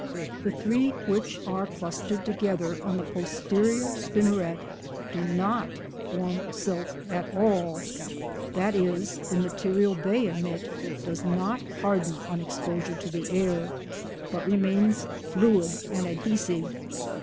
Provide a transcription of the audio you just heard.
The three which are clustered together on the posterior spinneret do not form silk at all, that is, the material they emit does not harden on exposure to the air but remains fluid and adhesive.